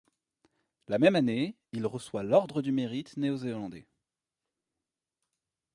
La même année, il reçoit l'ordre du mérite néo-zélandais.